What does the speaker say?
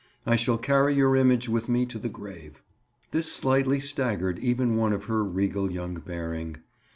"I shall carry your image with me to the grave." This slightly staggered even one of her regal young bearing.